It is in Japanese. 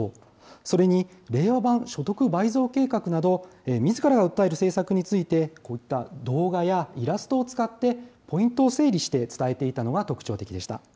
それに令和版所得倍増計画など、みずからが訴える政策について、こういった動画やイラストを使って、ポイントを整理して伝えていたのが特徴的でした。